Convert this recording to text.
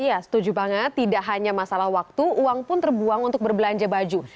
iya setuju banget tidak hanya masalah waktu uang pun terbuang untuk berbelanja baju